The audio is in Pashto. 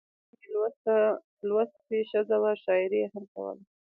مورکۍ مې لوستې ښځه وه، شاعري یې هم کوله.